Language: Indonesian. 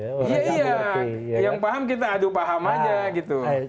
iya iya yang paham kita adu paham aja gitu